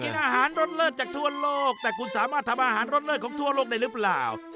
อาหารรสเลิศจากทั่วโลกแต่คุณสามารถทำอาหารรสเลิศของทั่วโลกได้หรือเปล่า